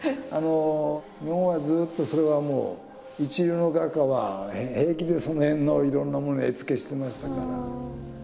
日本はずっとそれはもう一流の画家は平気でその辺のいろんなものに絵付けしてましたから。